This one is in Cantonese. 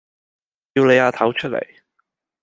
叫你阿頭出嚟